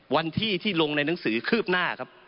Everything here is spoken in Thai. วันที่ที่ลงในหนังสือคืบหน้าครับ